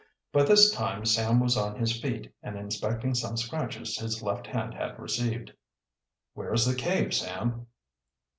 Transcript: By this time Sam was on his feet and inspecting some scratches his left hand had received. "Where is the cave, Sam?"